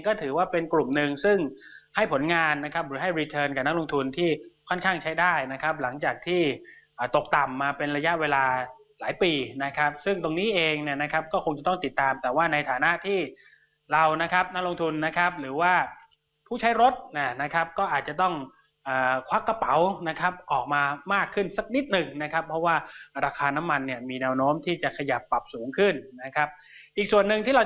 กับนักลงทุนที่ค่อนข้างใช้ได้นะครับหลังจากที่อ่าตกต่ำมาเป็นระยะเวลาหลายปีนะครับซึ่งตรงนี้เองเนี่ยนะครับก็คงจะต้องติดตามแต่ว่าในฐานะที่เรานะครับนักลงทุนนะครับหรือว่าผู้ใช้รถน่ะนะครับก็อาจจะต้องอ่าควักกระเป๋านะครับออกมามากขึ้นสักนิดหนึ่งนะครับเพราะว่าราคาน้ำมันเนี่ยมีแนว